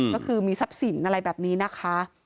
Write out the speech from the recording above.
ก็คือมีทรัพย์สินอะไรแบบนี้นะคะ